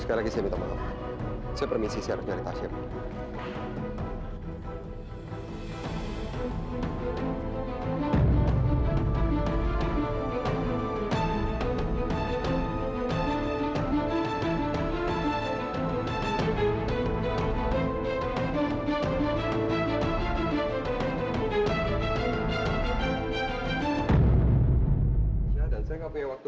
sekali lagi saya minta maaf saya permisi saya harus nyari tasya dulu